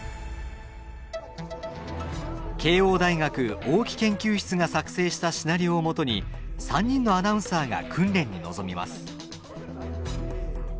慶應大学大木研究室が作成したシナリオをもとに３人のアナウンサーが訓練に臨みます。